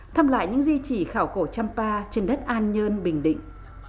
thăm lại những di chỉ khảo cổ champa trên đất an nhơn bình định